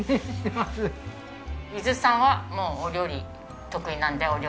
井筒さんはお料理得意なんでお料理。